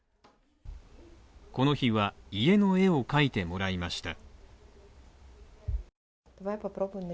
この日は、家の絵を描いてもらいました。